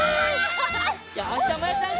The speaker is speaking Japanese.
よしじゃあまやちゃん